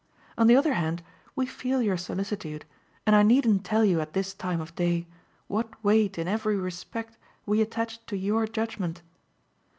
On the other hand we feel your solicitude, and I needn't tell you at this time of day what weight in every respect we attach to your judgement.